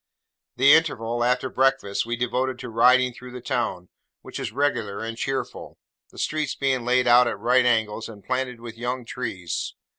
The interval, after breakfast, we devoted to riding through the town, which is regular and cheerful: the streets being laid out at right angles, and planted with young trees.